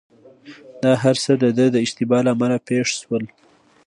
دا هرڅه دده د اشتباه له امله پېښ شول.